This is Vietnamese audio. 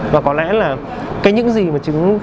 và có lẽ là cái những gì mà